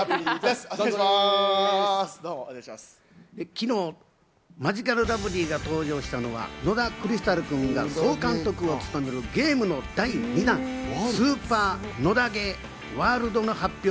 昨日、マヂカルラブリーが登場したのは野田クリスタル君が総監督を務めるゲームの第２弾、『スーパー野田ゲーＷＯＲＬＤ』の発売